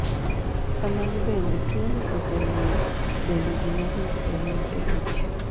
Kamano bende, tuoni osemiyo bende ji mathoth oriemb e tich.